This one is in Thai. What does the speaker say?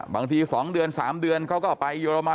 ๒เดือน๓เดือนเขาก็ไปเยอรมัน